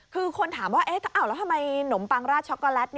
คือคนถามว่าแล้วทำไมนมปังราดช็อกโกแลต